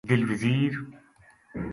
دل وزیر